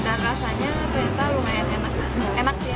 dan rasanya ternyata lumayan enakan